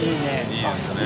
いいですね。